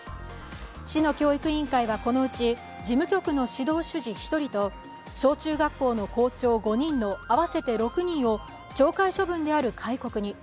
市の教育委員会はこのうち、事務局の指導主事１人を小中学校の校長５人の合わせて６人を懲戒処分である戒告に。